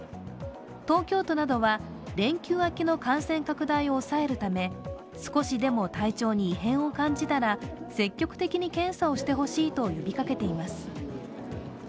東京都などは、連休明けの感染拡大を抑えるため、少しでも体調に異変を感じたら積極的に検査をしてほしいと呼びかけています。